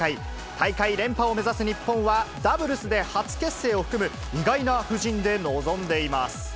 大会連覇を目指す日本は、ダブルスで初結成を含む意外な布陣で臨んでいます。